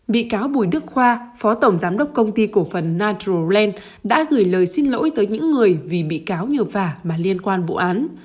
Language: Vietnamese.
bị cáo bùi đức khoa phó tổng giám đốc công ty cổ phần naturen đã gửi lời xin lỗi tới những người vì bị cáo nhờ vả mà liên quan vụ án